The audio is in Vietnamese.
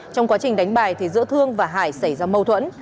trong quá trình đánh bài thì giữa thương và hải xảy ra mâu thuẫn